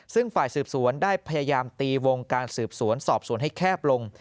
ซึ่งฝ่ายสืบสวนได้พยายามตีวงการสืบสวนสอบสวนให้แคบลง